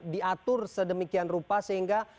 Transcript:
diatur sedemikian rupa sehingga